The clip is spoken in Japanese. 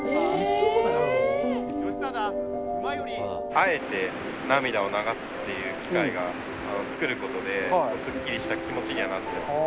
あえて涙を流すっていう機会を作ることで、すっきりした気持ちにはなってますね。